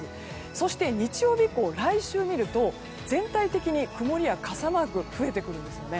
そして、日曜日以降来週を見ると全体的に曇りや傘マークが増えてくるんですよね。